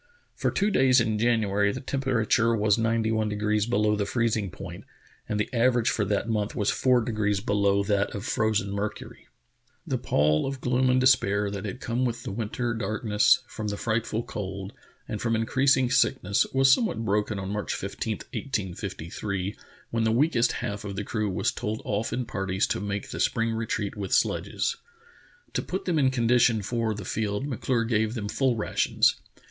For two days in January the tempera ture was ninety one degrees below the freezing point, and the average for that month was four degrees be low that of frozen mercury. The Journey of Bedford Pirn 85 The pall of gloom and despair that had come with the winter darkness, from the frightful cold, and from increasing sickness was somewhat broken on March 15, 1853, when the weakest half of the crew was told off in parties to make the spring retreat with sledges. To put them in condition for the field M'CIure gave them full rations.